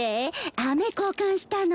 アメ交換したの。